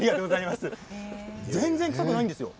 全然、臭くないんですよ